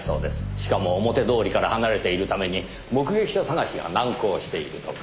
しかも表通りから離れているために目撃者探しが難航しているとか。